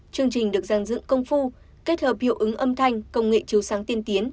chương trình được giàn dựng công phu kết hợp hiệu ứng âm thanh công nghệ chiếu sáng tiên tiến